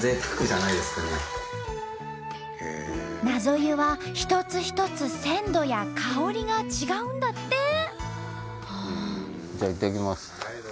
なぞ湯は一つ一つ鮮度や香りが違うんだって！